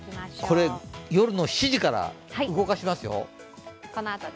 夜７時から動かしますよ。